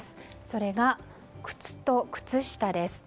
それが、靴と靴下です。